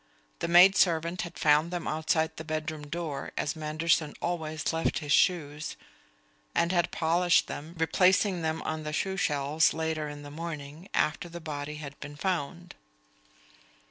The maidservant had found them outside the bedroom door, as Manderson always left his shoes, and had polished them, replacing them on the shoe shelves later in the morning, after the body had been found.